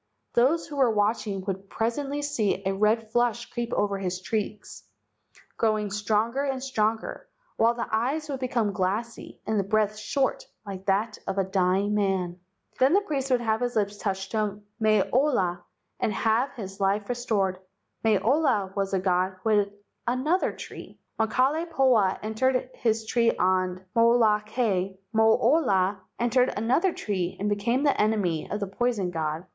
"Those who were watching would presently see a red flush creep over his cheeks, growing stronger and stronger, while the eyes would become glassy and the breath short like that of a dying man. Then the priest would touch his lips to the stick, Mai ola, and have his life restored. Mai ola was a god who had another tree. When Kalai pahoa entered his tree on Molokai, Mai ola no LEGENDS OF GHOSTS entered another tree and became the enemy of the poison god."